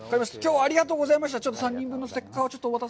ありがとうございます。